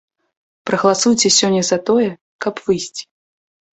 Прагаласуйце сёння за тое, каб выйсці.